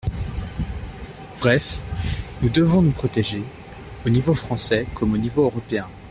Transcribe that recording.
Bref, nous devons nous protéger, au niveau français comme au niveau européen.